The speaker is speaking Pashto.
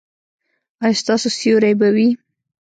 ایا ستاسو سیوری به وي؟